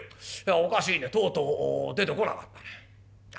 「おかしいねとうとう出てこなかったね。